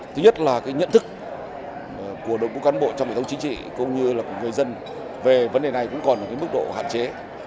thứ nhất là cái nhận thức của đội ngũ cán bộ trong hệ thống chính trị cũng như là của người dân về vấn đề này cũng còn mức độ hạn chế